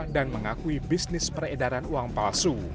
dan mengakui bisnis peredaran uang palsu